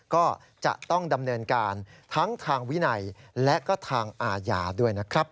ก็จะต้องดำเนินการทั้งทางวินัยและก็ทางอาญาด้วยนะครับ